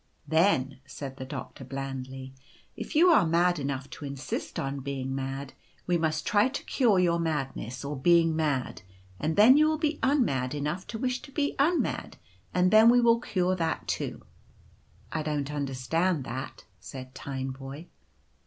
" 4 Then/ said the Doctor blandly, i if you are mad enough to insist on being mad, we must try to cure your madness or being mad, and then you will be unmad enough to wish to be unmad, and we will cure that too. "/ don't understand that" said Tineboy.